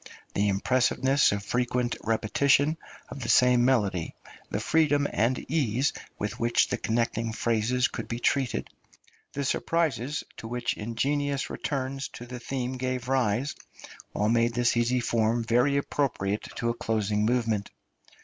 The impressiveness of frequent repetition of the same melody, the freedom and ease with which the connecting phrases could be treated, the surprises to which ingenious returns to the theme gave rise, all made this easy form very appropriate to a closing movement.